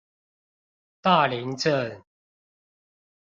大林鎮